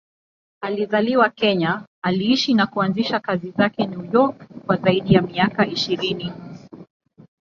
Alizaliwa Kenya, aliishi na kuanzisha kazi zake New York kwa zaidi ya miaka ishirini.